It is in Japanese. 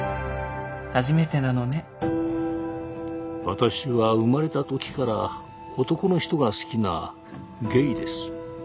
私は生まれた時から男の人が好きなゲイです。